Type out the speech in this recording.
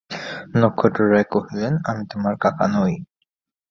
নক্ষত্ররায় কহিলেন, আমি তোমার কাকা নই।